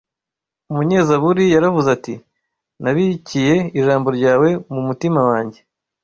Umunyezaburi yaravuze ati: “Nabikiye Ijambo ryawe mu mutima wanjye,